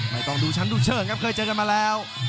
ต้องดูชั้นดูเชิงครับเคยเจอกันมาแล้ว